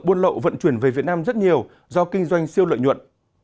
buôn lậu vận chuyển về việt nam rất nhiều do kinh doanh siêu lợi nhuận